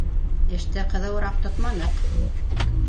— Эште ҡыҙыуыраҡ тотманыҡ.